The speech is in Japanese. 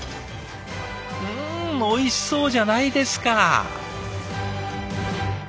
うんおいしそうじゃないですか。